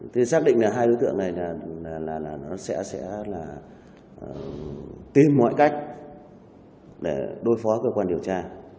tôi xác định là hai đối tượng này sẽ tìm mọi cách để đối phó cơ quan điều tra